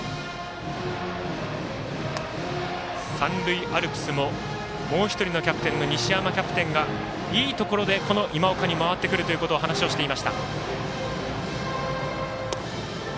三塁アルプスももう１人のキャプテンのにしやまキャプテンがいいところでこの今岡に回ってくるという話をしていました。